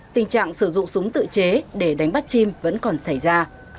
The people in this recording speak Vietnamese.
tình trạng sử dụng súng tự chế để đánh bắt chim vẫn còn xảy ra